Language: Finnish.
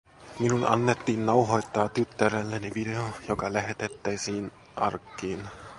Minun annettiin nauhoittaa tyttärelleni video, joka lähetettäisiin arkkiin.